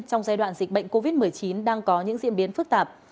trong giai đoạn dịch bệnh covid một mươi chín đang có những diễn biến phức tạp